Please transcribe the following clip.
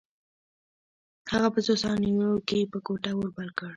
هغه په څو ثانیو کې په کوټه اور بل کړ